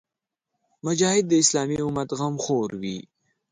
مجاهد د اسلامي امت غمخور وي.